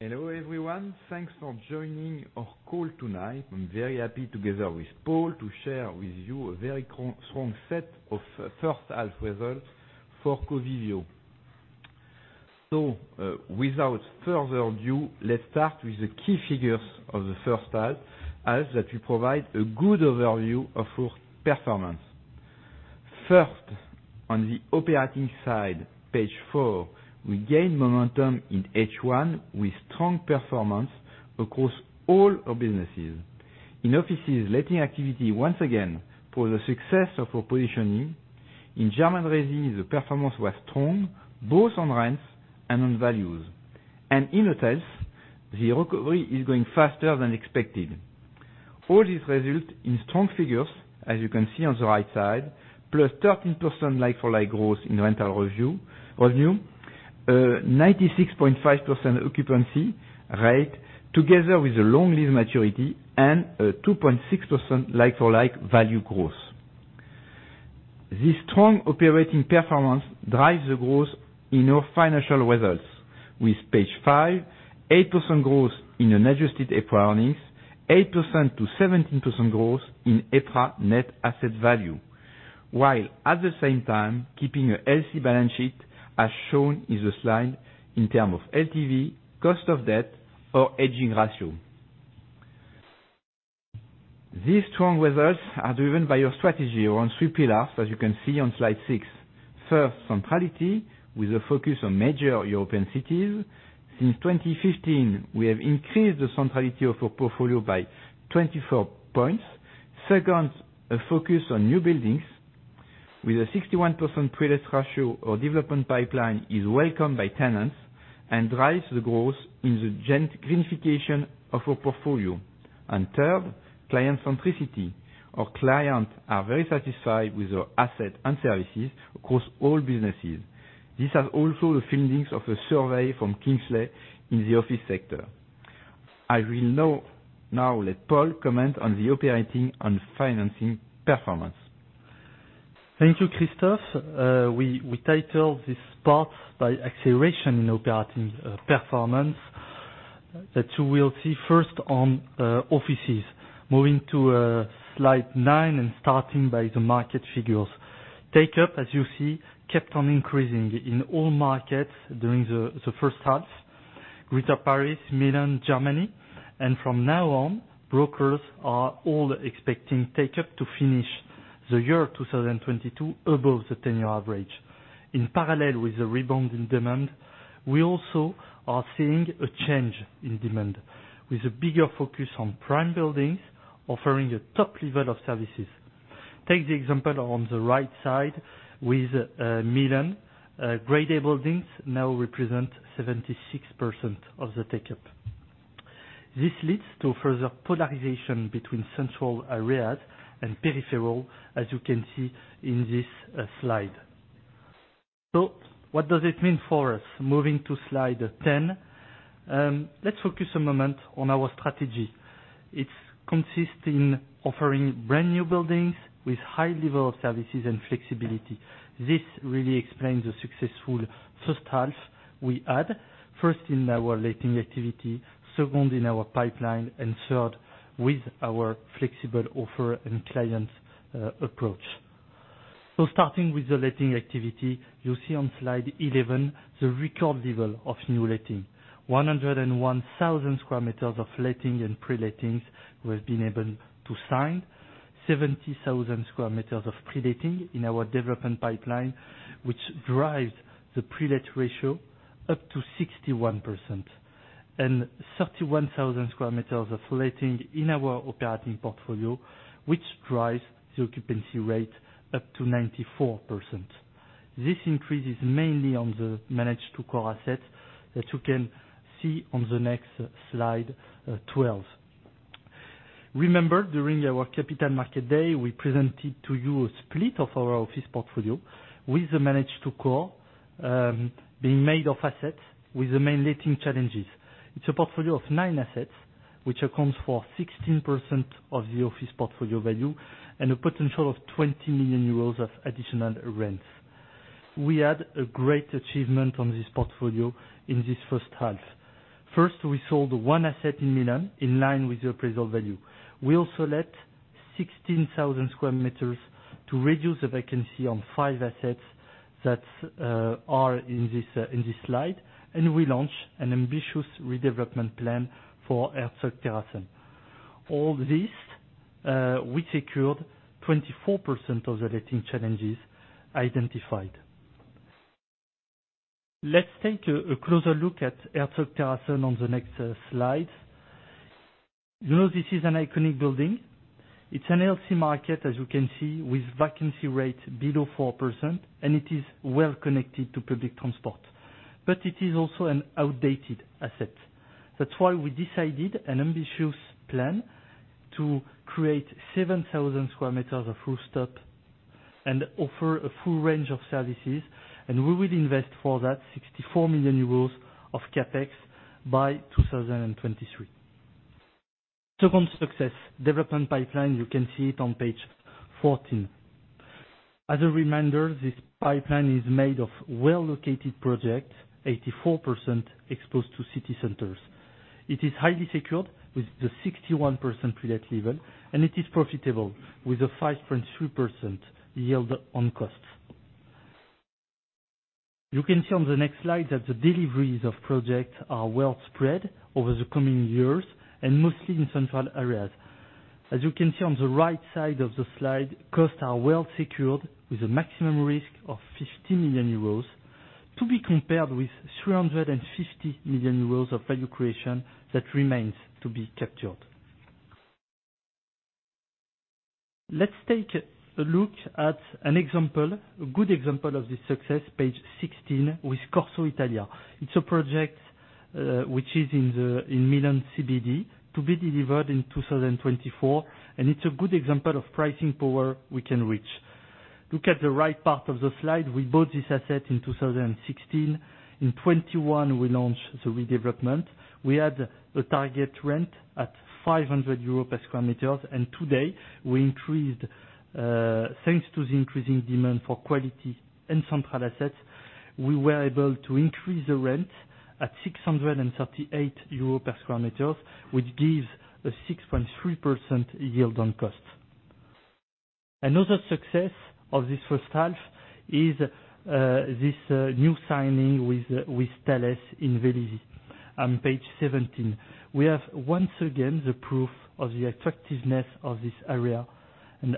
Hello, everyone. Thanks for joining our call tonight. I'm very happy together with Paul to share with you a very strong set of first half results for Covivio. Without further ado, let's start with the key figures of the first half, as that will provide a good overview of our performance. First, on the operating side, page four, we gained momentum in H1 with strong performance across all our businesses. In offices, letting activity once again proved the success of our positioning. In German resi, the performance was strong both on rents and on values. In hotels, the recovery is going faster than expected. All this results in strong figures, as you can see on the right side, +13% like-for-like growth in rental revenue, 96.5% occupancy rate, together with a long lease maturity and a 2.6% like-for-like value growth. This strong operating performance drives the growth in our financial results on page five, 8% growth in Adjusted EPRA earnings, 8%-17% growth in EPRA net asset value, while at the same time keeping a healthy balance sheet, as shown in the slide, in terms of LTV, cost of debt or hedging ratio. These strong results are driven by our strategy on three pillars, as you can see on slide 6. First, centrality with a focus on major European cities. Since 2015, we have increased the centrality of our portfolio by 24 points. Second, a focus on new buildings with a 61% pre-let ratio. Our development pipeline is welcomed by tenants and drives the growth in the gen-greenification of our portfolio. Third, client centricity. Our clients are very satisfied with our asset and services across all businesses. These are also the findings of a survey from Kingsley in the office sector. I will now let Paul comment on the operating and financing performance. Thank you, Christophe. We titled this part by acceleration in operating performance, that you will see first on offices. Moving to slide nine and starting by the market figures. Take-up, as you see, kept on increasing in all markets during the first half. Greater Paris, Milan, Germany. From now on, brokers are all expecting take-up to finish the year 2022 above the 10-year average. In parallel with the rebound in demand, we also are seeing a change in demand with a bigger focus on prime buildings offering a top level of services. Take the example on the right side with Milan. Grade A buildings now represent 76% of the take-up. This leads to further polarization between central areas and peripheral, as you can see in this slide. What does it mean for us? Moving to slide 10. Let's focus a moment on our strategy. It consists in offering brand-new buildings with high level of services and flexibility. This really explains the successful first half we had, first in our letting activity, second in our pipeline, and third with our flexible offer and clients approach. Starting with the letting activity, you see on slide 11 the record level of new letting. 101,000 sq m of letting and pre-lettings. We have been able to sign 70,000 sq m of pre-letting in our development pipeline, which drives the pre-let ratio up to 61%. 31,000 sq m of letting in our operating portfolio, which drives the occupancy rate up to 94%. This increase is mainly on the Manage to Core assets that you can see on the next slide, 12. Remember, during our capital market day, we presented to you a split of our office portfolio with the Manage to Core being made of assets with the main letting challenges. It's a portfolio of nine assets, which accounts for 16% of the office portfolio value and a potential of 20 million euros of additional rents. We had a great achievement on this portfolio in this first half. First, we sold one asset in Milan in line with the appraisal value. We also let 16,000 sq m to reduce the vacancy on five assets that are in this slide. We launched an ambitious redevelopment plan for Herzogterrassen. All this, we secured 24% of the letting challenges identified. Let's take a closer look at Herzogterrassen on the next slide. You know, this is an iconic building. It's a healthy market, as you can see, with vacancy rate below 4%, and it is well connected to public transport. It is also an outdated asset. That's why we decided an ambitious plan to create 7,000 sq m of rooftop and offer a full range of services. We will invest for that 64 million euros of CapEx by 2023. Second success, development pipeline, you can see it on page 14. As a reminder, this pipeline is made of well-located project, 84% exposed to city centers. It is highly secured with the 61% pre-let level, and it is profitable with a 5.3% yield on cost. You can see on the next slide that the deliveries of project are well spread over the coming years and mostly in central areas. As you can see on the right side of the slide, costs are well secured with a maximum risk of 50 million euros, to be compared with 350 million euros of value creation that remains to be captured. Let's take a look at an example, a good example of this success, page 16, with Corso Italia. It's a project which is in Milan CBD, to be delivered in 2024. It's a good example of pricing power we can reach. Look at the right part of the slide. We bought this asset in 2016. In 2021, we launched the redevelopment. We had a target rent at 500 euros per sq m, and today we increased, Thanks to the increasing demand for quality and central assets, we were able to increase the rent at 638 euros per sq m, which gives a 6.3% yield on cost. Another success of this first half is this new signing with Thales in Velizy on page 17. We have, once again, the proof of the attractiveness of this area.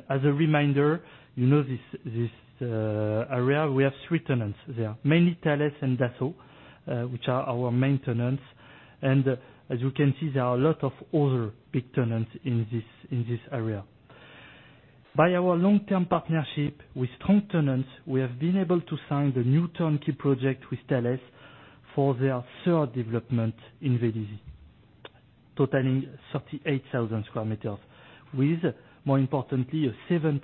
As a reminder, you know, this area, we have three tenants there, mainly Thales and Dassault, which are our main tenants. As you can see, there are a lot of other big tenants in this area. By our long-term partnership with strong tenants, we have been able to sign the new turnkey project with Thales for their third development in Velizy, totaling 38,000 sq m with, more importantly, a 7%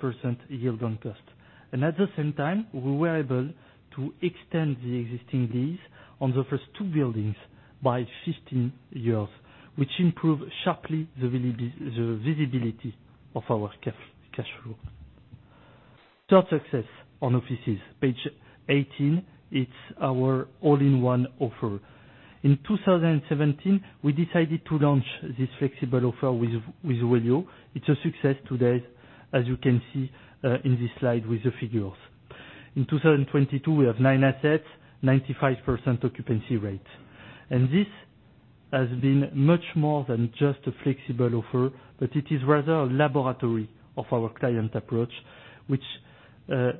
yield on cost. At the same time, we were able to extend the existing lease on the first two buildings by 15 years, which improve sharply the visibility of our cash flow. Third success on offices, page 18. It's our all-in-one offer. In 2017, we decided to launch this flexible offer with Wellio. It's a success today, as you can see, in this slide with the figures. In 2022, we have nine assets, 95% occupancy rate. This has been much more than just a flexible offer, but it is rather a laboratory of our client approach, which is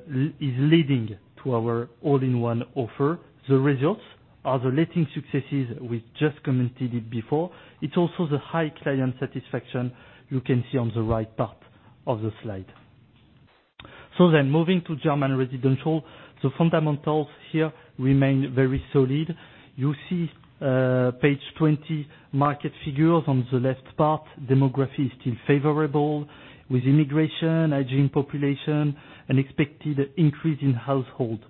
leading to our all-in-one offer. The results are the letting successes we just commented it before. It's also the high client satisfaction you can see on the right part of the slide. Moving to German residential, the fundamentals here remain very solid. You see, page 20, market figures on the left part. Demography is still favorable with immigration, aging population, and expected increase in household.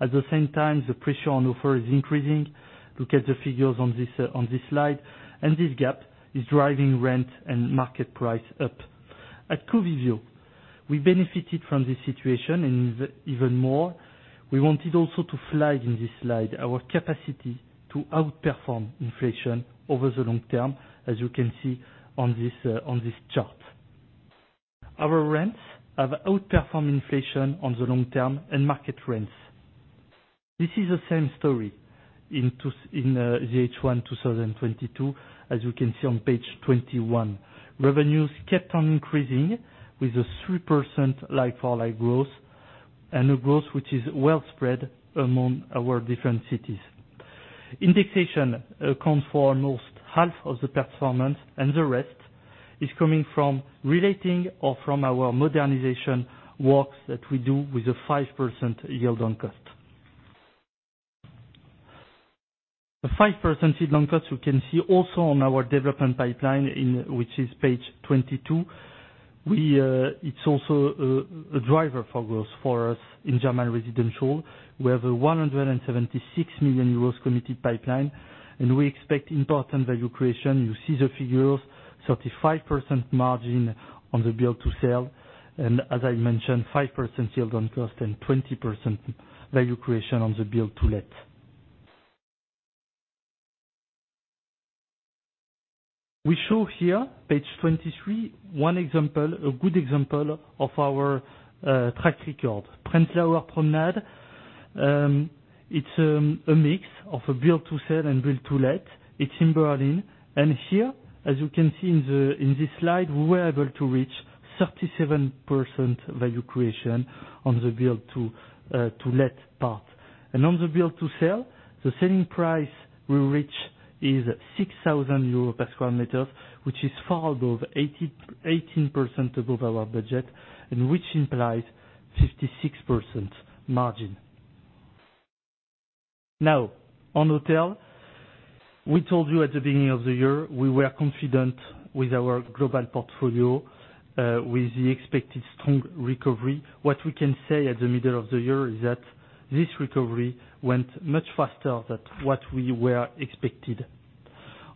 At the same time, the pressure on offer is increasing. Look at the figures on this slide, and this gap is driving rent and market price up. At Covivio, we benefited from this situation, and even more, we wanted also to flag in this slide our capacity to outperform inflation over the long term, as you can see on this chart. Our rents have outperformed inflation on the long term and market rents. This is the same story in the H1 2022, as you can see on page 21. Revenues kept on increasing with a 3% like-for-like growth and a growth which is well spread among our different cities. Indexation accounts for almost half of the performance, and the rest is coming from relating or from our modernization works that we do with a 5% yield on cost. The 5% yield on cost you can see also on our development pipeline in which is page 22. We, it's also a driver for growth for us in German residential. We have a 176 million euros committed pipeline, and we expect important value creation. You see the figures, 35% margin on the build to sell, and as I mentioned, 5% yield on cost and 20% value creation on the build to let. We show here, page 23, one example, a good example of our track record. Prenzlauer Promenade, it's a mix of a build to sell and build to let. It's in Berlin. Here, as you can see in this slide, we were able to reach 37% value creation on the build to let part. On the build to sell, the selling price we reach is 6,000 euros per sq m, which is far above 18% above our budget and which implies 56% margin. Now, on hotel, we told you at the beginning of the year, we were confident with our global portfolio with the expected strong recovery. What we can say at the middle of the year is that this recovery went much faster than what we were expected.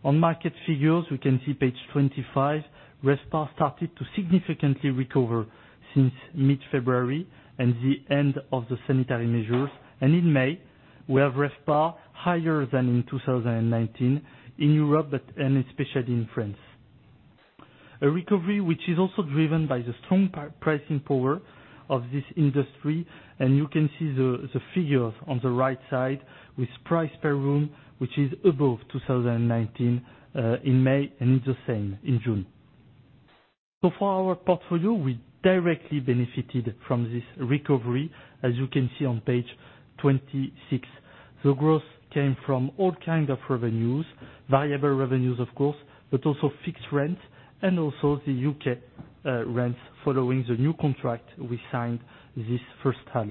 On market figures, we can see page 25, RevPAR started to significantly recover since mid-February and the end of the sanitary measures. In May, we have RevPAR higher than in 2019 in Europe, but and especially in France. A recovery which is also driven by the strong pricing power of this industry, and you can see the figures on the right side with price per room, which is above 2019 in May, and it's the same in June. For our portfolio, we directly benefited from this recovery, as you can see on page 26. The growth came from all kind of revenues, variable revenues of course, but also fixed rents and also the U.K. rents following the new contract we signed this first half.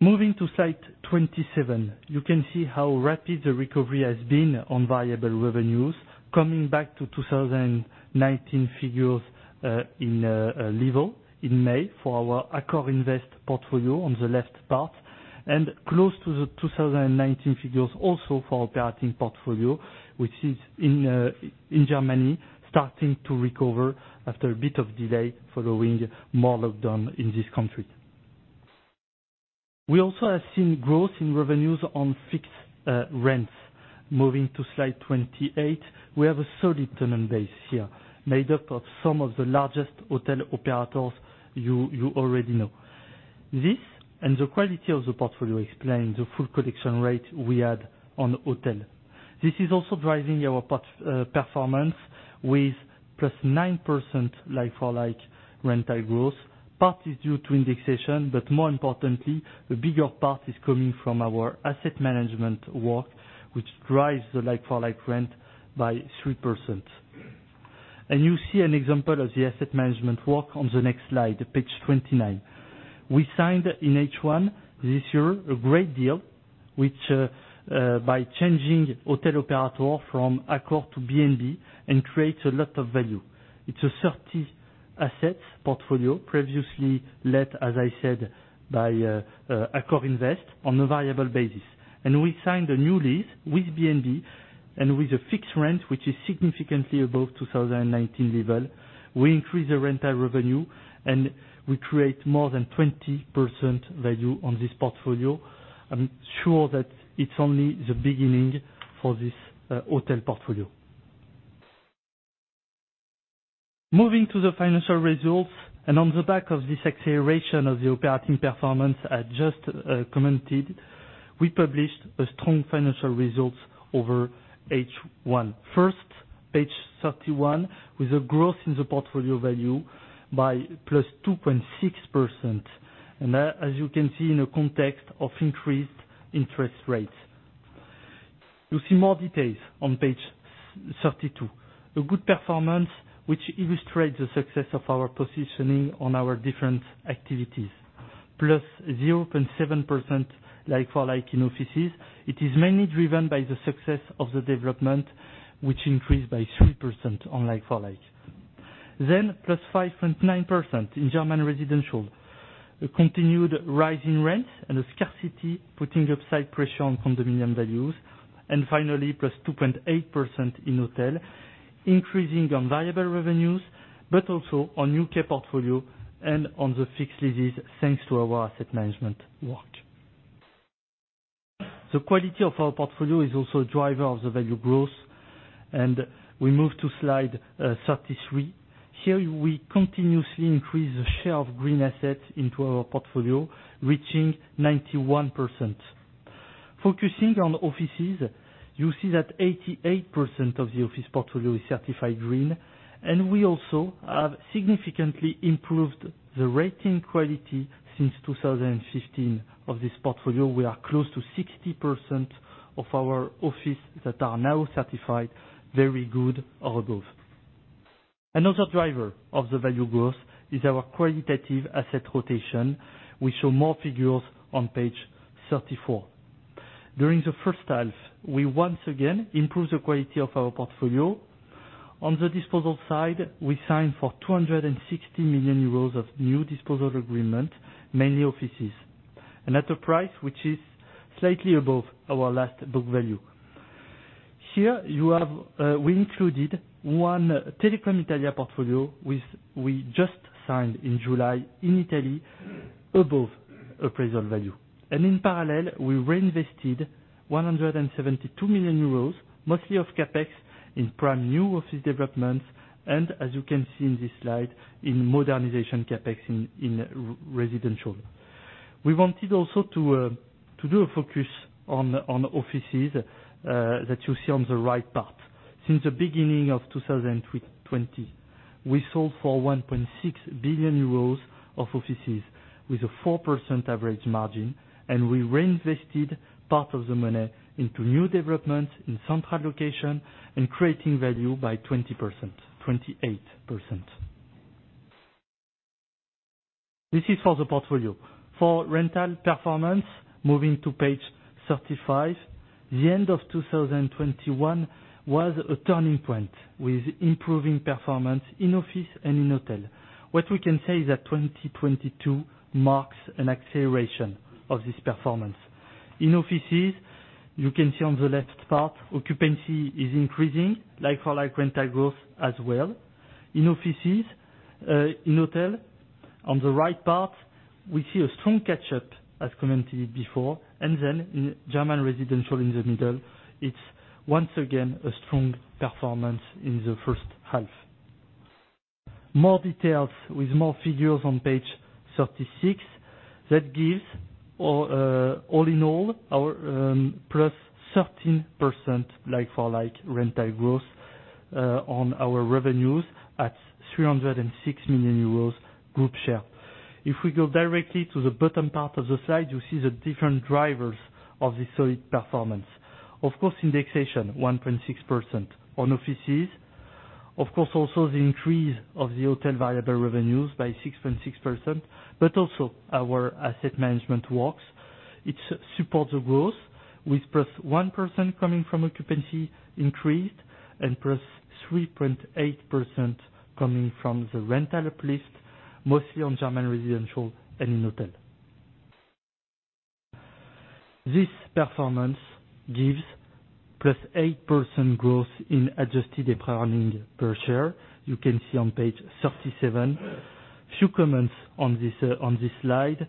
Moving to slide 27, you can see how rapid the recovery has been on variable revenues, coming back to 2019 figures in May for our AccorInvest portfolio on the left part and close to the 2019 figures also for operating portfolio, which is in Germany, starting to recover after a bit of delay following more lockdown in this country. We also have seen growth in revenues on fixed rents. Moving to slide 28. We have a solid tenant base here, made up of some of the largest hotel operators you already know. This and the quality of the portfolio explains the full collection rate we had on hotel. This is also driving our hotel performance with +9% like-for-like rental growth. Part is due to indexation, but more importantly, the bigger part is coming from our asset management work, which drives the like-for-like rent by 3%. You see an example of the asset management work on the next slide, page 29. We signed in H1 this year a great deal, which, by changing hotel operator from Accor to B&B and creates a lot of value. It's a 30 asset portfolio previously led, as I said, by Accor Invest on a variable basis. We signed a new lease with B&B and with a fixed rent, which is significantly above 2019 level. We increase the rental revenue, and we create more than 20% value on this portfolio. I'm sure that it's only the beginning for this hotel portfolio. Moving to the financial results, on the back of this acceleration of the operating performance I just commented, we published strong financial results over H1. First, page 31, with a growth in the portfolio value by +2.6%, as you can see in the context of increased interest rates. You see more details on page 32. A good performance which illustrates the success of our positioning on our different activities, +0.7% like-for-like in offices. It is mainly driven by the success of the development, which increased by 3% on like-for-like. +5.9% in German residential, a continued rise in rent and a scarcity, putting upside pressure on condominium values. Finally, +2.8% in hotel, increasing on variable revenues, but also on U.K. portfolio and on the fixed leases, thanks to our asset management work. The quality of our portfolio is also a driver of the value growth, and we move to slide 33. Here, we continuously increase the share of green assets into our portfolio, reaching 91%. Focusing on offices, you see that 88% of the office portfolio is certified green, and we also have significantly improved the rating quality since 2015 of this portfolio. We are close to 60% of our office that are now certified very good or above. Another driver of the value growth is our qualitative asset rotation. We show more figures on page 34. During the first half, we once again improve the quality of our portfolio. On the disposal side, we signed for 260 million euros of new disposal agreement, mainly offices, and at a price which is slightly above our last book value. Here you have, we included one Telecom Italia portfolio we just signed in July in Italy above appraisal value. In parallel, we reinvested 172 million euros, mostly of CapEx, in prime new office developments, and as you can see in this slide, in modernization CapEx in residential. We wanted also to do a focus on offices that you see on the right part. Since the beginning of 2020, we sold for 1.6 billion euros of offices with a 4% average margin, and we reinvested part of the money into new developments in central location and creating value by 28%. This is for the portfolio. For rental performance, moving to page 35. The end of 2021 was a turning point with improving performance in office and in hotel. What we can say is that 2022 marks an acceleration of this performance. In offices, you can see on the left part, occupancy is increasing, like-for-like rental growth as well. In offices, in hotel, on the right part, we see a strong catch up as commented before, and then in German residential in the middle, it's once again a strong performance in the first half. More details with more figures on page 36, that gives all in all, our +13% like-for-like rental growth on our revenues at 306 million euros group share. If we go directly to the bottom part of the slide, you see the different drivers of the solid performance. Of course, indexation 1.6% on offices. Of course, also the increase of the hotel viable revenues by 6.6%, but also our asset management works. It supports the growth with +1% coming from occupancy increased and +3.8% coming from the rental uplift, mostly on German residential and in hotel. This performance gives +8% growth in Adjusted EPRA earnings per share. You can see on page 37. Few comments on this, on this slide.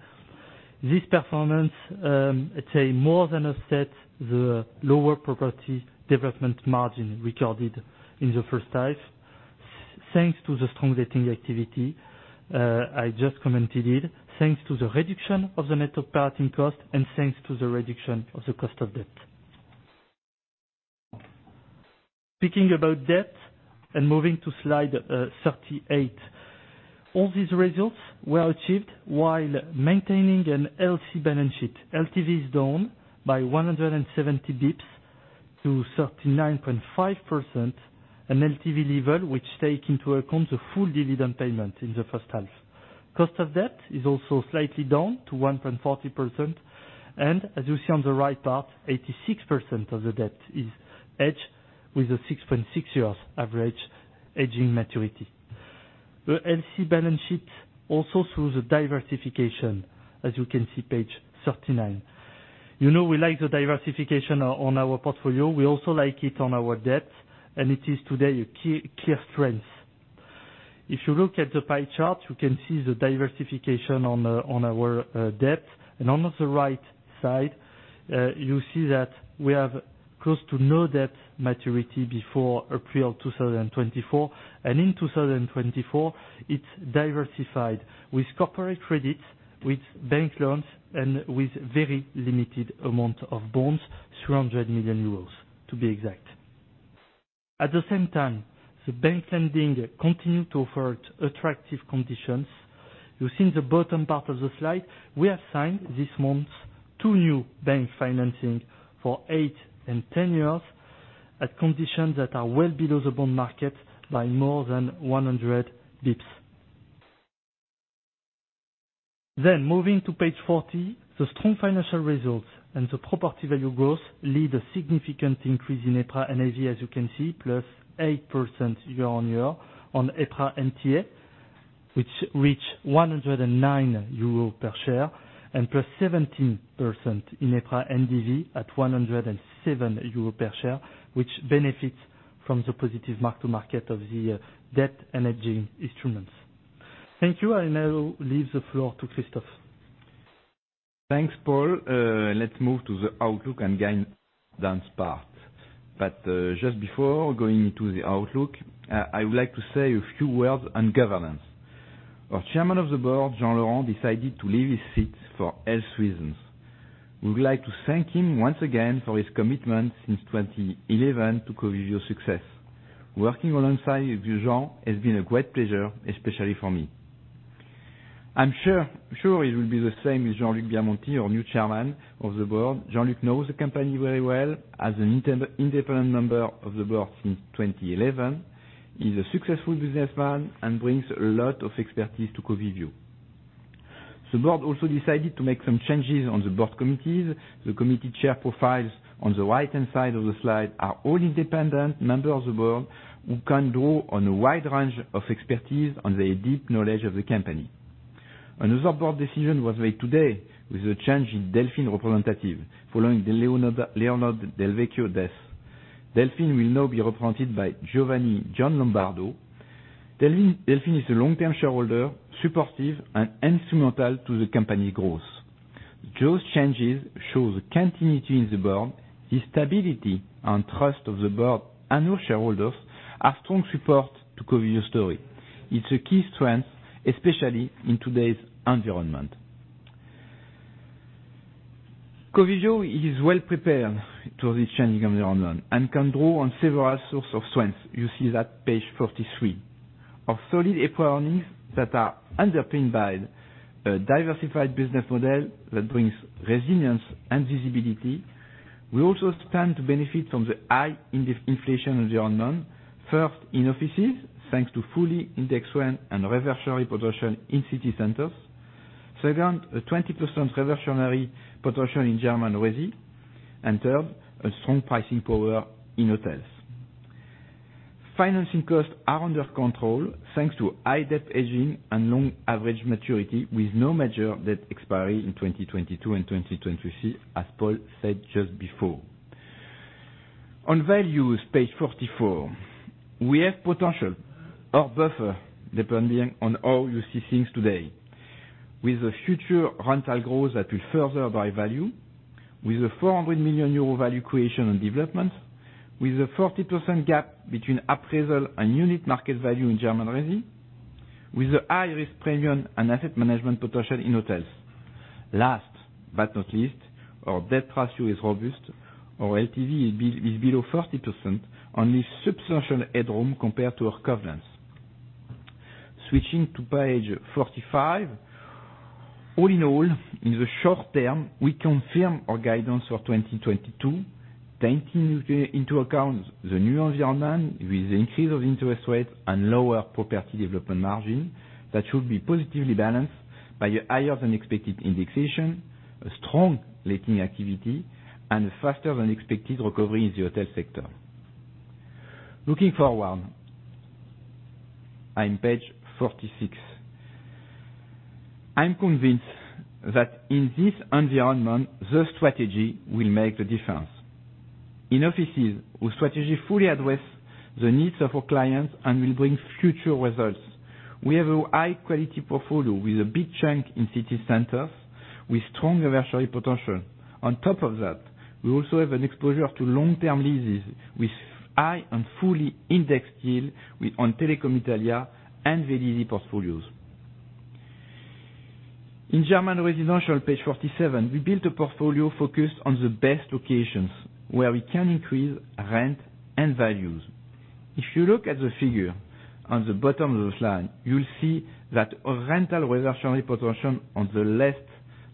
This performance, let's say more than offset the lower property development margin recorded in the first half, thanks to the strong letting activity I just commented, thanks to the reduction of the net operating cost, and thanks to the reduction of the cost of debt. Speaking about debt and moving to slide 38. All these results were achieved while maintaining an healthy balance sheet. LTV is down by 170 basis points to 39.5%, an LTV level which take into account the full dividend payment in the first half. Cost of debt is also slightly down to 1.40%, and as you see on the right part, 86% of the debt is hedged with a 6.6 years average hedging maturity. A healthy balance sheet also through the diversification, as you can see page 39. You know, we like the diversification on our portfolio. We also like it on our debt, and it is today a key strength. If you look at the pie chart, you can see the diversification on our debt. On the right side, you see that we have close to no debt maturity before April 2024. In 2024, it's diversified with corporate credits, with bank loans, and with very limited amount of bonds, 300 million euros, to be exact. At the same time, the bank lending continue to offer attractive conditions. You see in the bottom part of the slide, we have signed this month two new bank financing for eight and 10 years at conditions that are well below the bond market by more than 100 basis points. Moving to page 40, the strong financial results and the property value growth lead a significant increase in EPRA NAV, as you can see, +8% year-on-year on EPRA NTA, which reach 109 euro per share and +17% in EPRA NDV at 107 euro per share, which benefits from the positive mark to market of the debt-hedging instruments. Thank you. I now leave the floor to Christophe. Thanks, Paul. Let's move to the outlook and guidance part. Just before going into the outlook, I would like to say a few words on governance. Our Chairman of the Board, Jean Laurent, decided to leave his seat for health reasons. We would like to thank him once again for his commitment since 2011 to Covivio's success. Working alongside with Jean has been a great pleasure, especially for me. I'm sure it will be the same with Jean-Luc Biamonti, our new Chairman of the Board. Jean-Luc knows the company very well as an independent member of the board since 2011. He's a successful businessman and brings a lot of expertise to Covivio. The board also decided to make some changes on the board committees. The committee chair profiles on the right-hand side of the slide are all independent members of the board who can draw on a wide range of expertise and their deep knowledge of the company. Another board decision was made today with a change in Delfin representative following the Leonardo Del Vecchio death. Delfin will now be represented by Giovanni Giallombardo. Delfin is a long-term shareholder, supportive and instrumental to the company's growth. Those changes show the continuity in the board, the stability and trust of the board, and our shareholders are strong support to Covivio story. It's a key strength, especially in today's environment. Covivio is well prepared to this changing environment and can draw on several source of strength. You see that page 43. Our solid EPRA earnings that are underpinned by a diversified business model that brings resilience and visibility. We also stand to benefit from the high inflation environment, first in offices, thanks to fully indexed rent and reversionary production in city centers. Second, a 20% reversionary potential in German resi. Third, a strong pricing power in hotels. Financing costs are under control, thanks to high debt hedging and long average maturity with no major debt expiry in 2022 and 2023, as Paul said just before. On value, page 44, we have potential or buffer, depending on how you see things today, with the future rental growth that will further build value, with a 400 million euro value creation and development, with a 40% gap between appraisal and unit market value in German resi, with a high-risk premium and asset management potential in hotels. Last, but not least, our debt ratio is robust. Our LTV is below 40% on this substantial headroom compared to our covenants. Switching to page 45. All in all, in the short term, we confirm our guidance for 2022, taking into account the new environment with the increase of interest rates and lower property development margin that should be positively balanced by a higher than expected indexation, a strong letting activity, and a faster than expected recovery in the hotel sector. Looking forward, I'm page 46. I'm convinced that in this environment, the strategy will make the difference. In offices, our strategy fully address the needs of our clients and will bring future results. We have a high-quality portfolio with a big chunk in city centers with strong reversionary potential. On top of that, we also have an exposure to long-term leases with high and fully indexed yield with on Telecom Italia and VDC portfolios. In German residential, page 47, we built a portfolio focused on the best locations where we can increase rent and values. If you look at the figure on the bottom of this line, you'll see that our rental reversionary potential on the left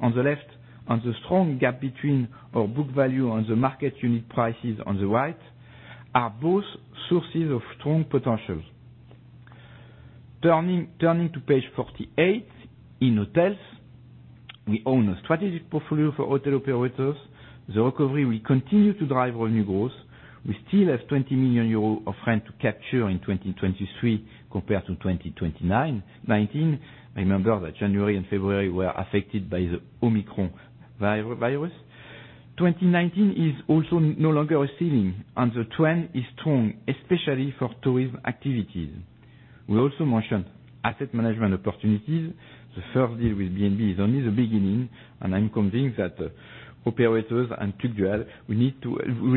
and the strong gap between our book value and the market unit prices on the right are both sources of strong potentials. Turning to page 48. In hotels, we own a strategic portfolio for hotel operators. The recovery will continue to drive revenue growth. We still have 20 million euros of rent to capture in 2023 compared to 2019. Remember that January and February were affected by the Omicron virus. 2019 is also no longer a ceiling, and the trend is strong, especially for tourism activities. We also mentioned asset management opportunities. The first deal with B&B is only the beginning, and I'm convinced that operators and Tugdual, we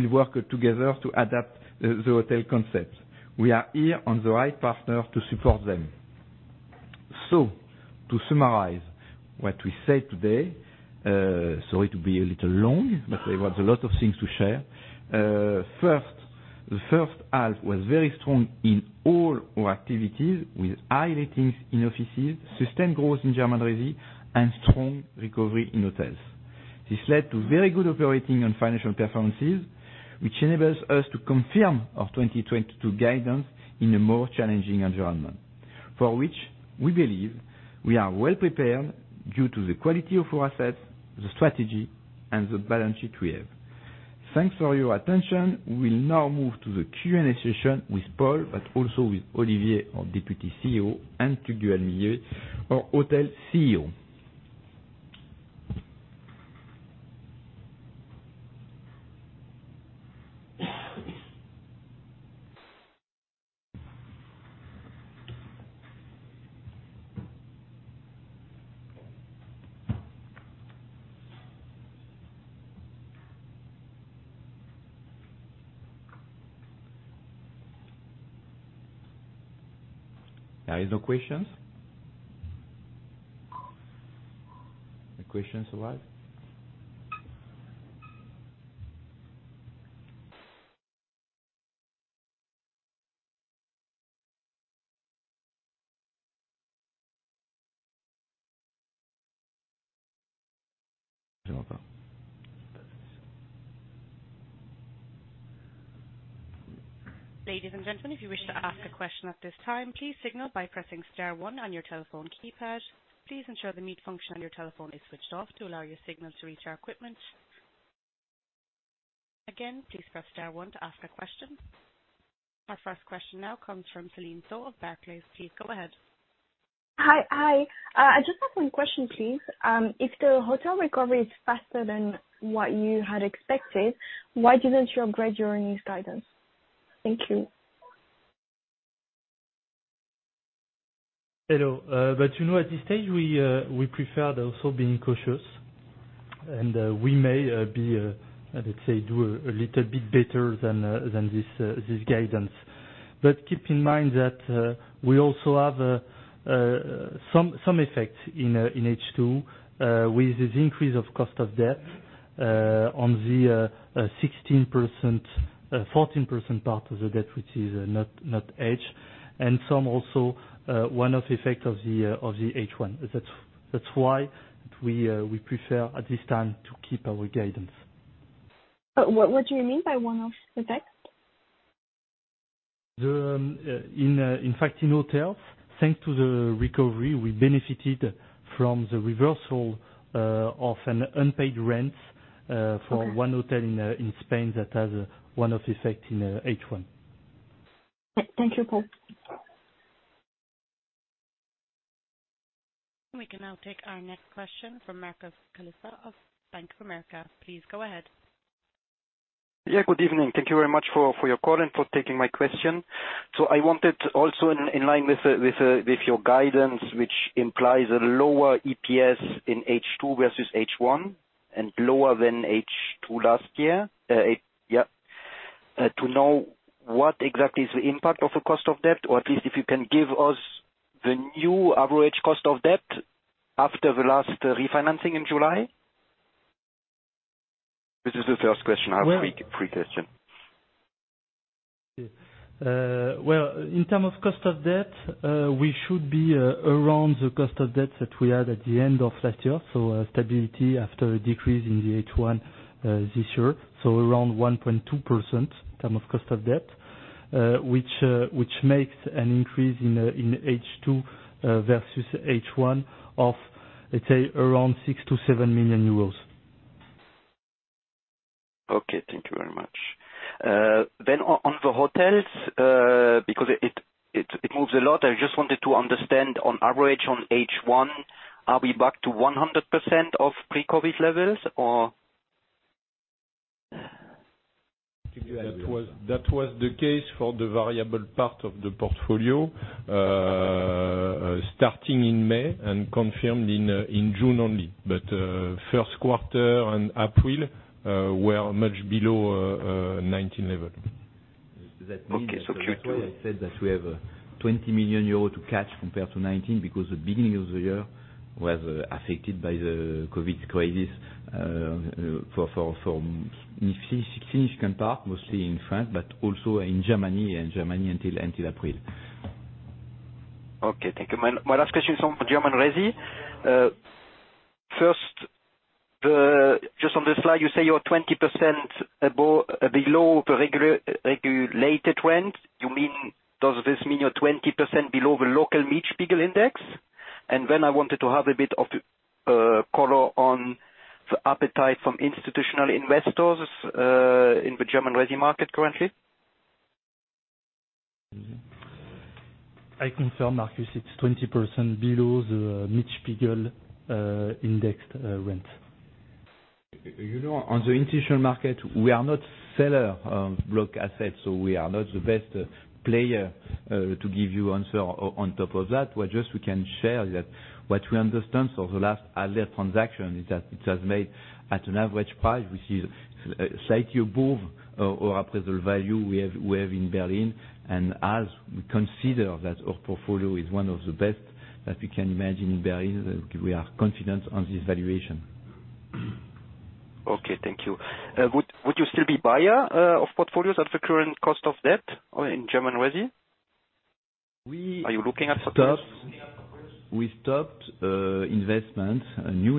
will work together to adapt the hotel concept. We are the right partner to support them. To summarize what we said today, sorry to be a little long, but there was a lot of things to share. First, the first half was very strong in all our activities with high lettings in offices, sustained growth in German resi, and strong recovery in hotels. This led to very good operating and financial performances, which enables us to confirm our 2022 guidance in a more challenging environment. For which we believe we are well prepared due to the quality of our assets, the strategy, and the balance sheet we have. Thanks for your attention. We will now move to the Q&A session with Paul, but also with Olivier, our Deputy CEO, and Tugdual Millet, our hotel CEO. There is no questions? Any questions arise? Ladies, and gentlemen, if you wish to ask a question at this time, please signal by pressing star one on your telephone keypad. Please ensure the mute function on your telephone is switched off to allow your signal to reach our equipment. Again, please press star one to ask a question. Our first question now comes from Céline Soo-Huynh of Barclays. Please go ahead. Hi. Hi. I just have one question, please. If the hotel recovery is faster than what you had expected, why didn't you upgrade your earnings guidance? Thank you. Hello. You know, at this stage, we prefer also being cautious. We may, let's say, do a little bit better than this guidance. Keep in mind that we also have some effects in H2 with the increase of cost of debt on the 16%, 14% part of the debt, which is not hedged, and some also one-off effect of the H1. That's why we prefer at this time to keep our guidance. What do you mean by one-off effect? In fact, in hotels, thanks to the recovery, we benefited from the reversal of an unpaid rent. Okay. -for one hotel in Spain that has a one-off effect in H1. Thank you, Paul. We can now take our next question from Markus Kulessa of Bank of America. Please go ahead. Yeah, good evening. Thank you very much for your call and for taking my question. I wanted to also in line with your guidance, which implies a lower EPS in H2 versus H1 and lower than H2 last year, to know what exactly is the impact of the cost of debt, or at least if you can give us the new average cost of debt after the last refinancing in July. This is the first question. I have three questions. Well, in terms of cost of debt, we should be around the cost of debt that we had at the end of last year. Stability after a decrease in the H1 this year, so around 1.2% in terms of cost of debt, which makes an increase in H2 versus H1 of, let's say, around 6 million-7 million euros. Okay, thank you very much. On the hotels, because it moves a lot. I just wanted to understand on average on H1, are we back to 100% of pre-COVID levels or? That was the case for the variable part of the portfolio. Starting in May and confirmed in June only, but first quarter and April were much below 2019 level. Okay. That means that we have 20 million euros to catch compared to 2019 because the beginning of the year was affected by the COVID crisis, for significant part, mostly in France, but also in Germany until April. Okay, thank you. My last question is on German resi. First, just on the slide, you say you're 20% below the regular-regulated rent. You mean, does this mean you're 20% below the local Mietspiegel index? Then I wanted to have a bit of color on the appetite from institutional investors in the German resi market currently. I confirm, Markus, it's 20% below the Mietspiegel index rent. You know, on the institutional market, we are not seller of block assets, so we are not the best player to give you answer on top of that. Well, just we can share that what we understand. The last asset transaction is that it has made at an average price, which is slightly above our appraisal value we have in Berlin. As we consider that our portfolio is one of the best that we can imagine in Berlin, we are confident on this valuation. Okay, thank you. Would you still be a buyer of portfolios at the current cost of debt in German resi? We- Are you looking at portfolios? We stopped new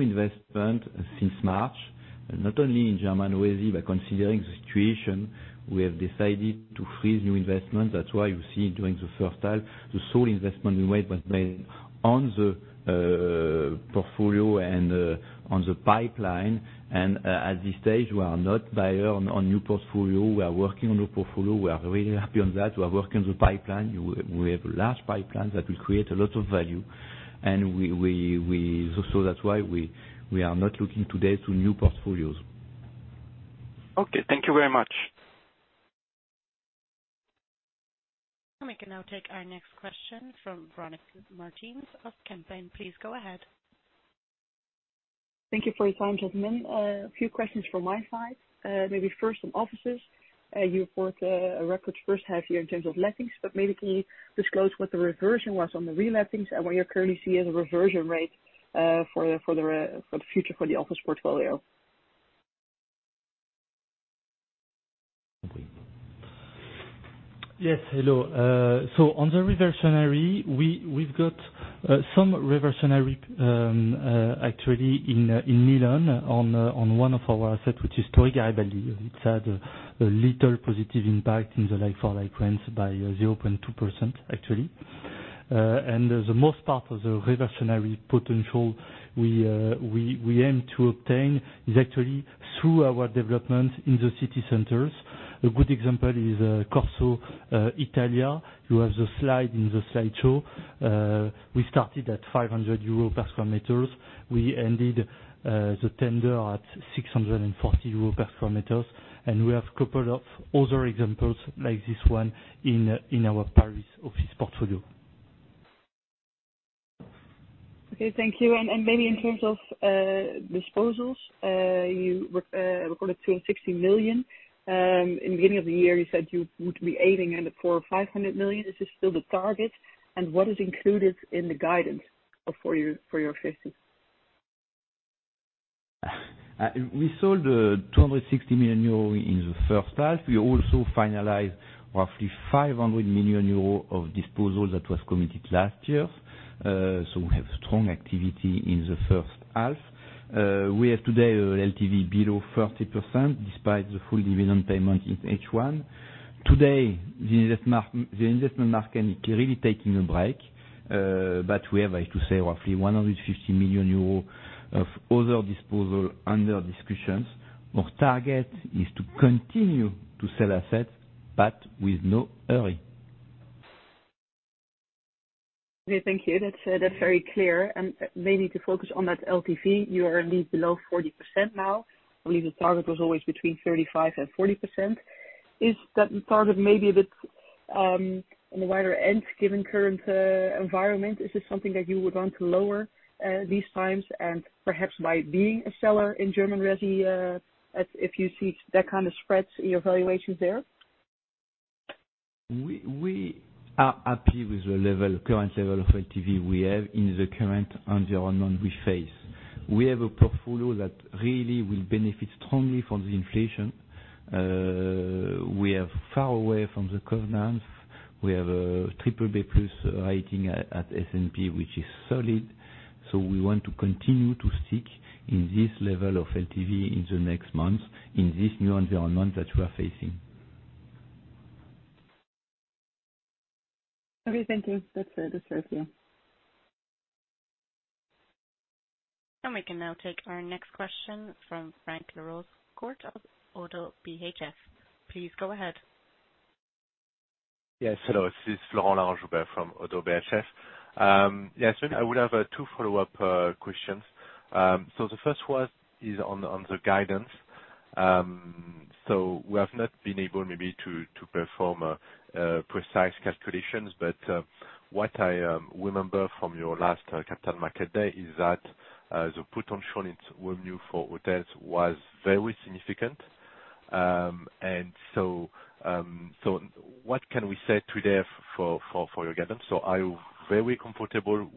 investment since March, not only in German resi, but considering the situation, we have decided to freeze new investment. That's why you see during the first half, the sole investment we made was made on the portfolio and on the pipeline. At this stage, we are not buyer on new portfolio. We are working on new portfolio. We are really happy on that. We are working on the pipeline. That's why we are not looking today to new portfolios. Okay, thank you very much. We can now take our next question from Véronique Meertens of Van Lanschot Kempen. Please go ahead. Thank you for your time, gentlemen. A few questions from my side. Maybe first on offices. You report a record first half year in terms of lettings, but maybe can you disclose what the reversion was on the re-lettings and what you currently see as a reversion rate for the future for the office portfolio? Yes, hello. On the reversionary, we've got some reversionary actually in Milan on one of our assets, which is Via G. Bellini. It's had a little positive impact in the like-for-like rents by 0.2%, actually. The most part of the reversionary potential we aim to obtain is actually through our development in the city centers. A good example is Corso Italia. You have the slide in the slideshow. We started at 500 euro per sq m. We ended the tender at 640 euro per sq m. We have a couple of other examples like this one in our Paris office portfolio. Okay, thank you. Maybe in terms of disposals, you recorded 260 million. In the beginning of the year, you said you would be aiming at 400 million or 500 million. Is this still the target? What is included in the guidance for your FY? We sold 260 million euro in the first half. We also finalized roughly 500 million euro of disposal that was committed last year. We have strong activity in the first half. We have today LTV below 30%, despite the full dividend payment in H1. Today, the investment market really taking a break. We have, I have to say, roughly 150 million euros of other disposal under discussions. Our target is to continue to sell assets, but with no hurry. Okay, thank you. That's very clear. Maybe to focus on that LTV, you are at least below 40% now. I believe the target was always between 30% and 40%. Is that target maybe a bit on the wider end given current environment? Is this something that you would want to lower these times and perhaps by being a seller in German resi, if you see that kind of spreads in your valuations there? We are happy with the level, current level of LTV we have in the current environment we face. We have a portfolio that really will benefit strongly from the inflation. We are far away from the covenants. We have a BBB+ rating at S&P, which is solid. We want to continue to stick in this level of LTV in the next months in this new environment that we are facing. Okay, thank you. That's very clear. We can now take our next question from Florent Laroche-Joubert of Oddo BHF. Please go ahead. Yes. Hello, this is Florent Laroche-Joubert from Oddo BHF. Yes, I would have two follow-up questions. The first one is on the guidance. We have not been able maybe to perform precise calculations. What I remember from your last capital market day is that the potential in revenue for hotels was very significant. What can we say today for your guidance? Are you very comfortable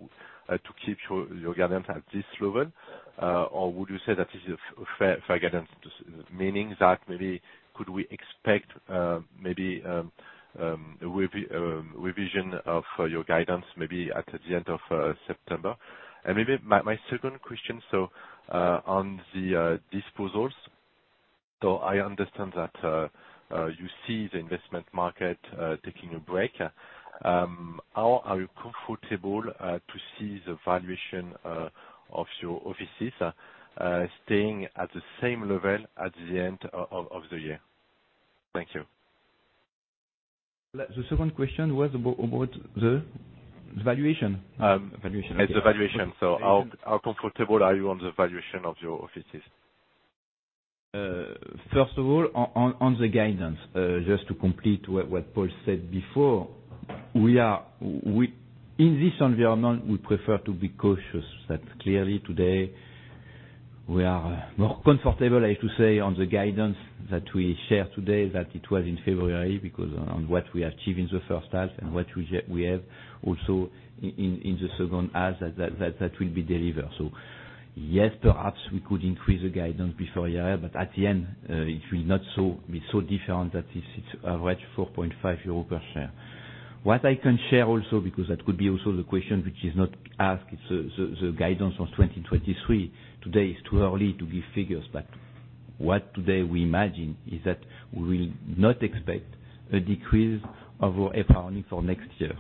to keep your guidance at this level? Or would you say that is a fair guidance, meaning that maybe could we expect maybe a revision of your guidance maybe at the end of September? Maybe my second question on the disposals. I understand that you see the investment market taking a break. How are you comfortable to see the valuation of your offices staying at the same level at the end of the year? Thank you. The second question was about the valuation. Valuation. It's the valuation. How comfortable are you on the valuation of your offices? First of all, on the guidance, just to complete what Paul said before, we in this environment prefer to be cautious. That clearly today we are more comfortable, I have to say, on the guidance that we share today, that it was in February, because on what we achieved in the first half and what we have also in the second half, that will be delivered. Yes, perhaps we could increase the guidance before year end, but at the end, it will not be so different that it's already 4.5 euro per share. What I can share also, because that could be also the question which is not asked, it's the guidance of 2023. Today is too early to give figures, but what today we imagine is that we will not expect a decrease of our EPRA for next year,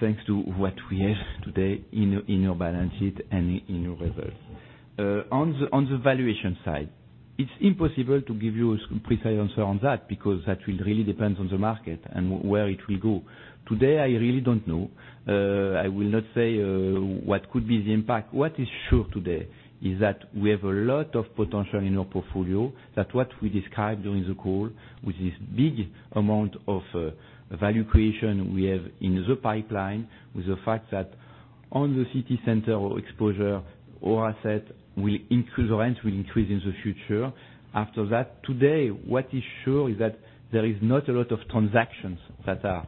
thanks to what we have today in our balance sheet and in our results. On the valuation side, it's impossible to give you a precise answer on that because that will really depend on the market and where it will go. Today, I really don't know. I will not say what could be the impact. What is sure today is that we have a lot of potential in our portfolio. That what we described during the call with this big amount of value creation we have in the pipeline, with the fact that on the city center exposure or asset will increase, rent will increase in the future. After that, today, what is sure is that there is not a lot of transactions that are,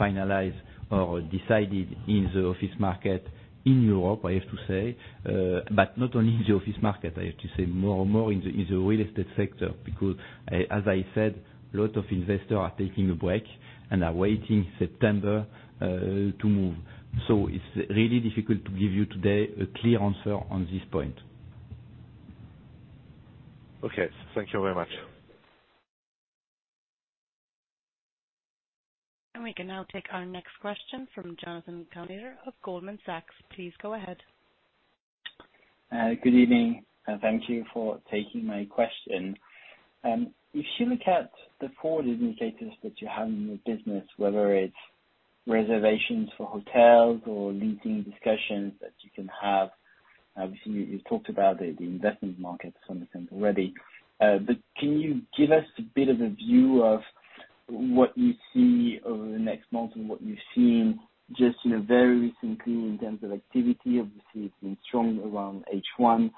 finalized or decided in the office market in Europe, I have to say. But not only in the office market, I have to say more and more in the real estate sector, because as I said, a lot of investors are taking a break and are waiting September, to move. It's really difficult to give you today a clear answer on this point. Okay. Thank you very much. We can now take our next question from Jonathan Kownator of Goldman Sachs. Please go ahead. Good evening, and thank you for taking my question. If you look at the forward indicators that you have in your business, whether it's reservations for hotels or leasing discussions that you can have, obviously you talked about the investment market to some extent already. Can you give us a bit of a view of what you see over the next month and what you've seen just, you know, very recently in terms of activity? Obviously, it's been strong around H1.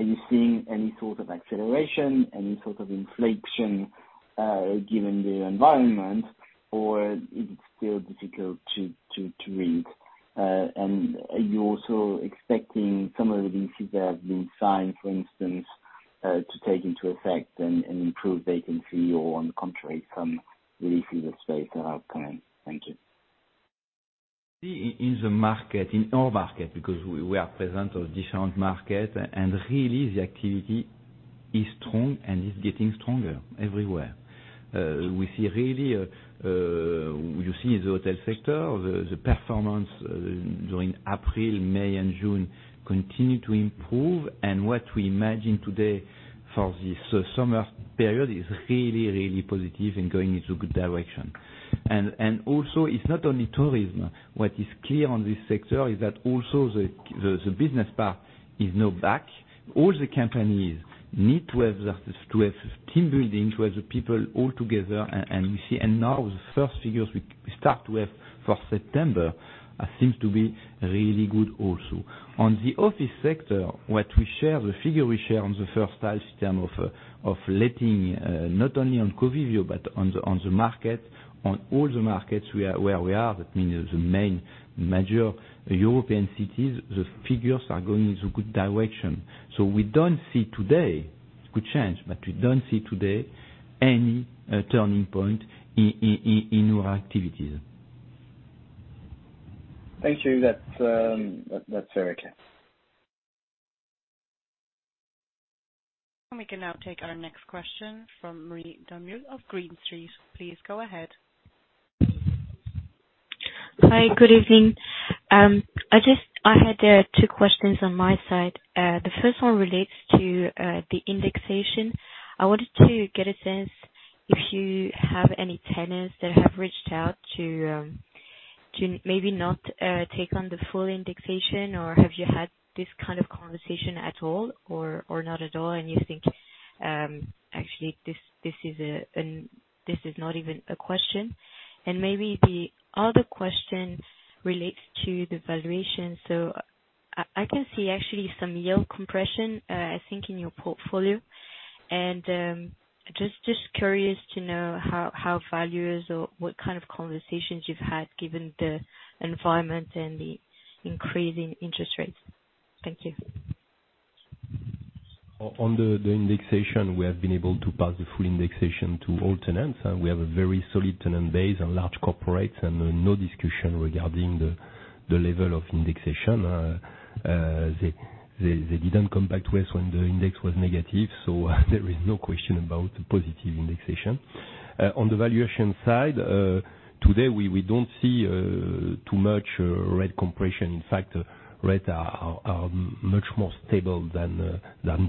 Are you seeing any sort of acceleration, any sort of inflection, given the environment, or is it still difficult to read? Are you also expecting some of the leases that have been signed, for instance, to take into effect and improve vacancy, or on the contrary, some releases of space that are coming? Thank you. See, in the market, in our market, because we are present on different market, and really the activity is strong and is getting stronger everywhere. We see really, you see the hotel sector, the performance during April, May and June continue to improve. What we imagine today for this summer period is really positive and going into a good direction. Also it's not only tourism. What is clear on this sector is that also the business part is now back. All the companies need to have the, to have team building, to have the people all together, and now the first figures we start to have for September seems to be really good also. On the office sector, what we share, the figure we share on the first half in terms of letting, not only on Covivio but on the, on the market, on all the markets where we are, that means the main major European cities, the figures are going in a good direction. We don't see today, could change, but we don't see today any turning point in our activities. Thank you. That's very clear. We can now take our next question from Marie Dormeuil of Green Street. Please go ahead. Hi, good evening. I had two questions on my side. The first one relates to the indexation. I wanted to get a sense if you have any tenants that have reached out to maybe not take on the full indexation, or have you had this kind of conversation at all, or not at all, and you think actually this is not even a question. Maybe the other question relates to the valuation. I can see actually some yield compression I think in your portfolio. Just curious to know how values or what kind of conversations you've had given the environment and the increasing interest rates. Thank you. On the indexation, we have been able to pass the full indexation to all tenants, and we have a very solid tenant base and large corporates and no discussion regarding the level of indexation. They didn't come back to us when the index was negative, so there is no question about positive indexation. On the valuation side, today we don't see too much rate compression. In fact, rates are much more stable than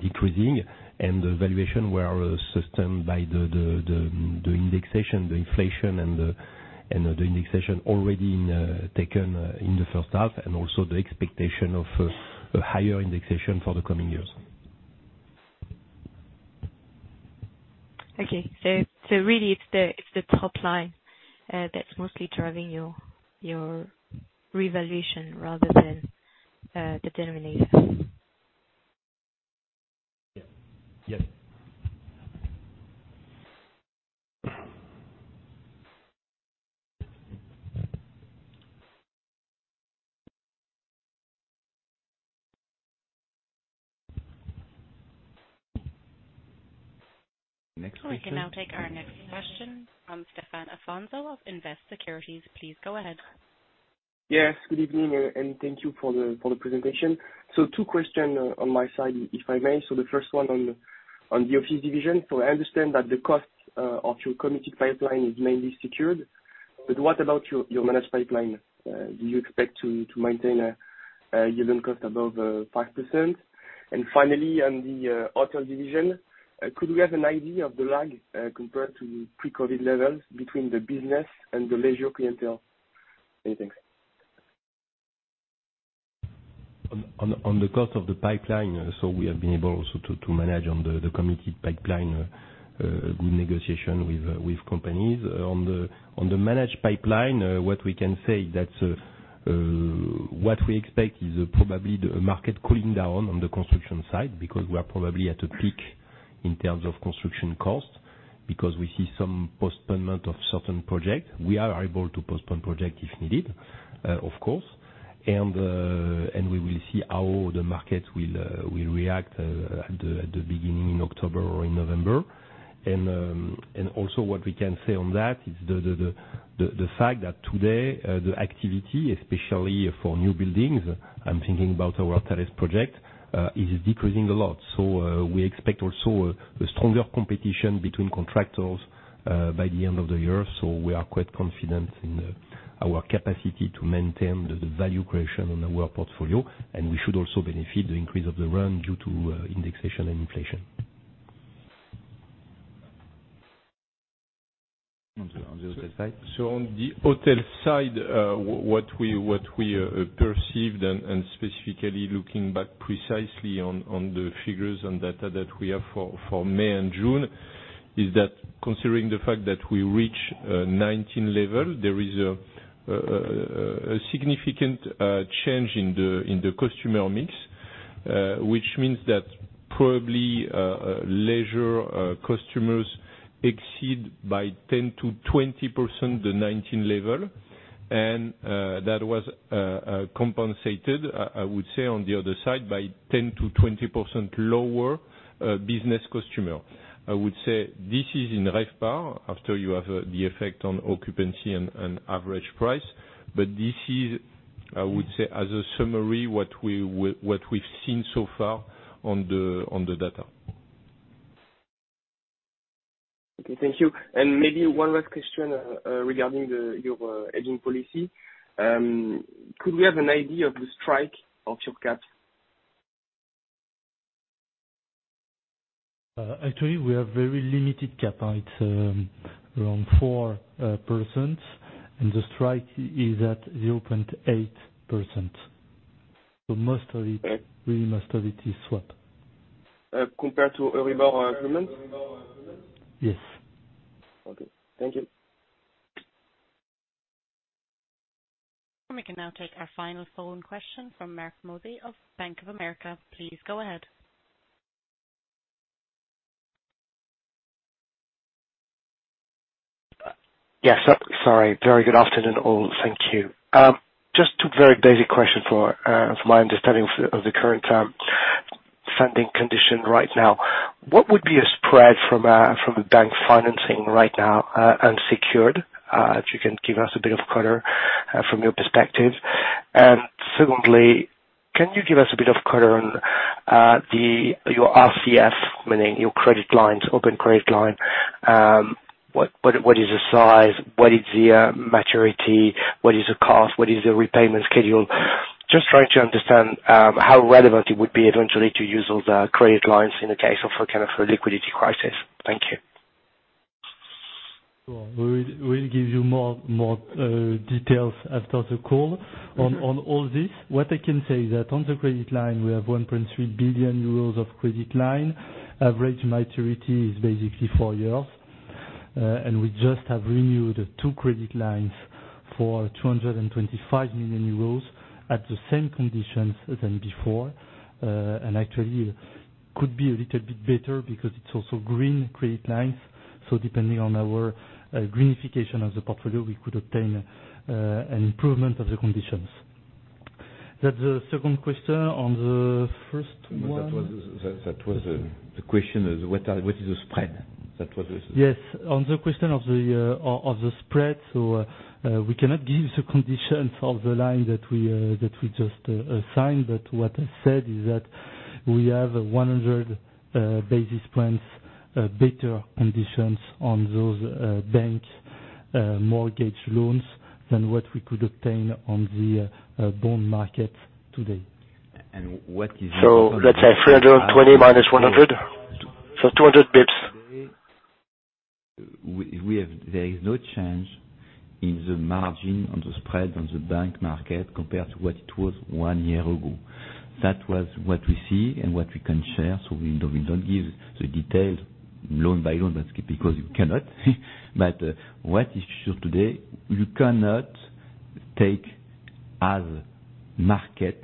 decreasing. The valuation were sustained by the indexation, the inflation and the indexation already taken in the first half, and also the expectation of a higher indexation for the coming years. Okay. Really it's the top line that's mostly driving your revaluation rather than the denominator. Yeah. Yep. Next question. We can now take our next question from Stéphane Afonso of Invest Securities. Please go ahead. Yes, good evening, and thank you for the presentation. Two questions on my side, if I may. The first one on the office division. I understand that the cost of your committed pipeline is mainly secured. What about your managed pipeline? Do you expect to maintain a given cost above 5%? And finally, on the hotel division, could we have an idea of the lag compared to pre-COVID levels between the business and the leisure clientele? Many thanks. On the cost of the pipeline, we have been able also to manage on the committed pipeline a good negotiation with companies. On the managed pipeline, what we can say is that what we expect is probably the market cooling down on the construction side, because we are probably at a peak in terms of construction costs, because we see some postponement of certain projects. We are able to postpone project if needed, of course. We will see how the markets will react at the beginning, in October or in November. Also what we can say on that is the fact that today the activity, especially for new buildings, I'm thinking about our Herzogterrassen project, is decreasing a lot. We expect also a stronger competition between contractors by the end of the year. We are quite confident in our capacity to maintain the value creation on our portfolio. We should also benefit the increase of the rent due to indexation and inflation. On the hotel side? On the hotel side, what we perceived and specifically looking back precisely on the figures and data that we have for May and June, is that considering the fact that we reach 2019 level, there is a significant change in the customer mix. Which means that probably leisure customers exceed by 10%-20% the 2019 level. And that was compensated, I would say on the other side, by 10%-20% lower business customer. I would say this is in RevPAR, after you have the effect on occupancy and average price. This is- I would say as a summary, what we've seen so far on the data. Okay, thank you. Maybe one last question regarding your hedging policy. Could we have an idea of the strike of your cap? Actually, we have very limited CapEx. It's around 4%, and the strike is at 0.8%. Most of it. Okay. Really, most of it is swap. Compared to EURIBOR or Prime? Yes. Okay, thank you. We can now take our final phone question from Marc Mozzi of Bank of America. Please go ahead. Yes. Sorry. Very good afternoon, all. Thank you. Just two very basic questions for my understanding of the current funding condition right now. What would be a spread from a bank financing right now, unsecured? If you can give us a bit of color from your perspective. Secondly, can you give us a bit of color on your RCF, meaning your credit lines, open credit line. What is the size? What is the maturity? What is the cost? What is the repayment schedule? Just trying to understand how relevant it would be eventually to use those credit lines in the case of a kind of a liquidity crisis. Thank you. We'll give you more details after the call on all this. What I can say is that on the credit line, we have 1.3 billion euros of credit line. Average maturity is basically four years. We just have renewed two credit lines for 225 million euros at the same conditions as they were before, and actually could be a little bit better because it's also green credit lines. Depending on our green certification of the portfolio, we could obtain an improvement of the conditions. That's the second question. On the first one. That was the question is what is the spread? Yes. On the question of the spread, we cannot give the conditions of the line that we just signed. What I said is that we have 100 basis points better conditions on those bank mortgage loans than what we could obtain on the bond market today. What is- Let's say 320-100. So, 200 basis points. There is no change in the margin on the spread on the bank market compared to what it was one year ago. That was what we see and what we can share, so we don't give the details loan by loan because you cannot. But what is sure today, you cannot take as market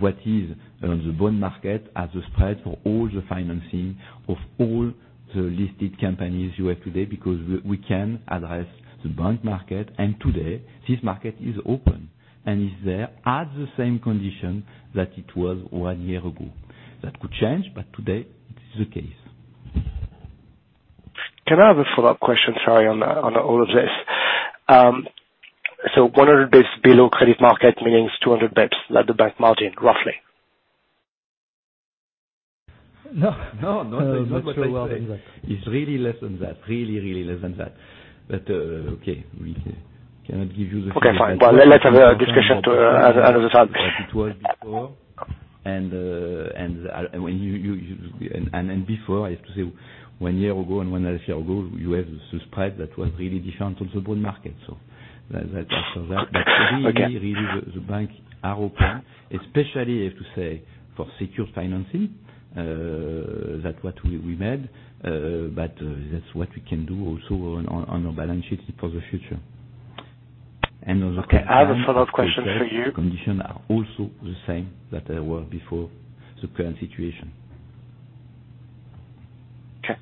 what is around the bond market as a spread for all the financing of all the listed companies you have today, because we can address the bond market. Today this market is open and is there at the same condition that it was one year ago. That could change, but today this is the case. Can I have a follow-up question? Sorry on all of this. 100 basis points below credit market means 200 basis points like the bank margin, roughly. No, not what I will say. It's really less than that. Really less than that. Okay, we cannot give you the. Okay, fine. Well, let's have a discussion to, as a result. What it was before and when you and then before I have to say one year ago and one half year ago, you have the spread that was really different on the bond market. That after that- Okay. Really, the banks are open, especially I have to say for secured financing, that's what we made, but that's what we can do also on our balance sheet for the future. I have a follow-up question for you. Conditions are also the same as they were before the current situation. Okay.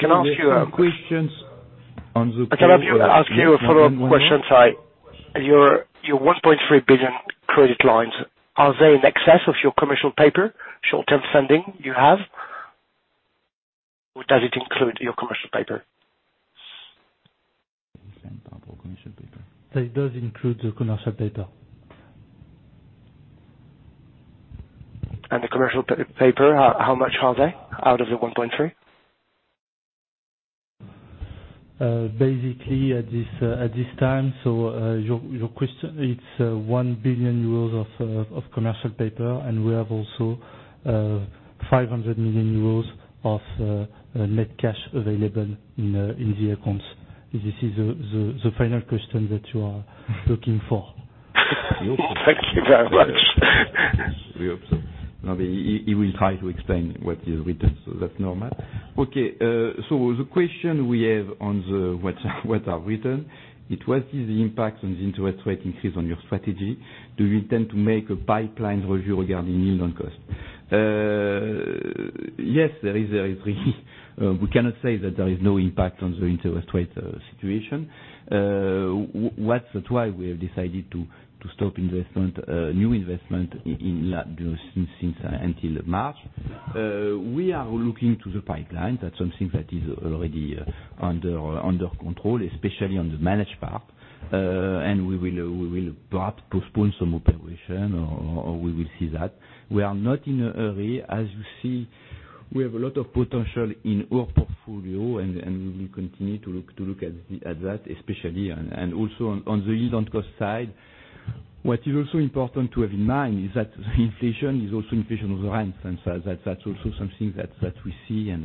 Can I ask you Questions on the. I cannot hear. Ask you a follow-up question, sorry. Your 1.3 billion credit lines, are they in excess of your commercial paper, short-term funding you have? Or does it include your commercial paper? Commercial paper. That does include the commercial paper. The commercial paper, how much are they out of the 1.3 billion? Basically at this time, your question, it's 1 billion euros of commercial paper, and we have also 500 million euros of net cash available in the accounts. This is the final question that you are looking for. Thank you very much. We hope so. No, but he will try to explain what is written, so that's normal. Okay. The question we have on what is written is the impact on the interest rate increase on your strategy. Do you intend to make a pipeline review regarding new loan cost? Yes, there really is. We cannot say that there is no impact on the interest rate situation. That's why we have decided to stop new investment in lab since until March. We are looking to the pipeline. That's something that is already under control, especially on the managed part. We will perhaps postpone some operation or we will see that. We are not in a hurry. As you see, we have a lot of potential in our portfolio, and we will continue to look at that especially. Also on the yield on cost side, what is also important to have in mind is that the inflation is also inflation of the rents. That's also something that we see and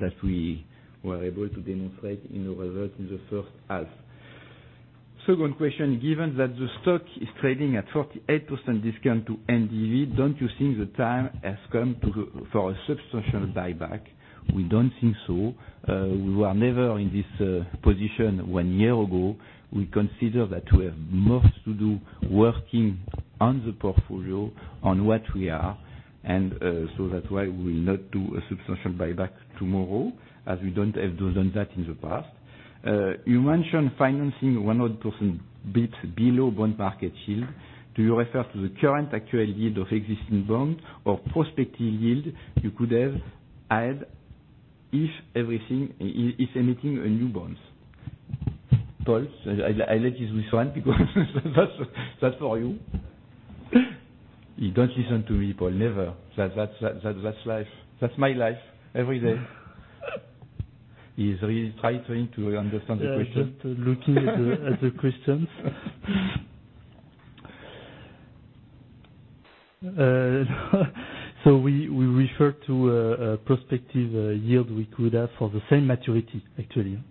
that we were able to demonstrate in the result in the first half. Second question, given that the stock is trading at 48% discount to NDV, don't you think the time has come for a substantial buyback? We don't think so. We were never in this position one year ago. We consider that we have more to do working on the portfolio on what we are, so that's why we will not do a substantial buyback tomorrow, as we don't have done that in the past. You mentioned financing 100% bit below bond market yield. Do you refer to the current actual yield of existing bond or prospective yield you could have had if emitting new bonds? Paul, I let you this one because that's for you. You don't listen to me, Paul. Never. That's life. That's my life every day. He's really trying to understand the question. Yeah, just looking at the questions. We refer to a prospective yield we could have for the same maturity, actually.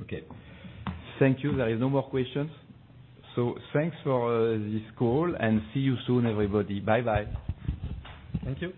Okay. Thank you. There is no more questions. Thanks for this call, and see you soon, everybody. Bye-bye. Thank you.